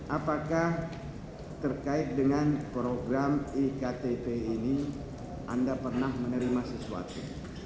apakah terkait dengan program iktp ini anda pernah menerima sesuatu